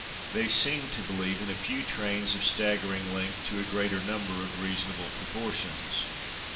They seem to believe in a few trains of stagger ing length to a greater number of reasonable proportions.